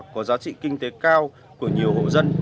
có giá trị kinh tế cao của nhiều hộ dân